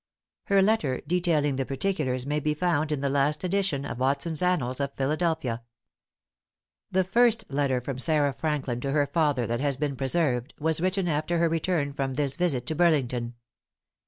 Her letter detailing the particulars may be found in the last edition of Watson's Annals of Philadelphia. The first letter from Sarah Franklin to her father that has been preserved, was written after her return from this visit to Burlington.